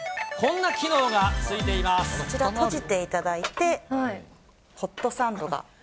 こちら閉じていただいて、ホットサンドが。